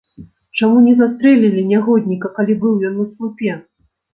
Чаму не застрэлілі нягодніка, калі быў ён на слупе?